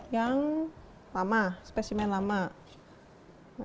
yang lama spesimen lama